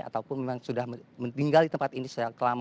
ataupun memang sudah meninggal di tempat ini selama